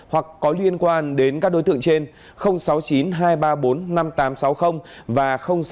hoặc có liên quan đến các đối tượng trên sáu mươi chín hai trăm ba mươi bốn năm nghìn tám trăm sáu mươi và sáu mươi chín hai trăm ba mươi hai một nghìn sáu trăm